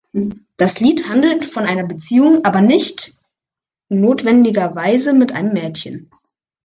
Das Lied handelt von einer Beziehung, aber nicht notwendigerweise mit einem Mädchen.